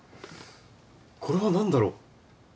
これはなんだろう？